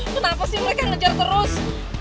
betapa sih mereka ngejar terus